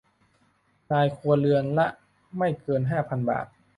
รายครัวเรือนละไม่เกินห้าพันบาท